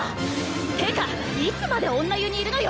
ってかいつまで女湯にいるのよ。